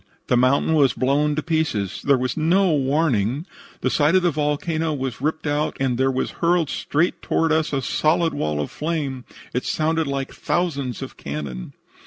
The mountain was blown to pieces. There was no warning. The side of the volcano was ripped out, and there was hurled straight toward us a solid wall of flame. It sounded like thousands of cannon.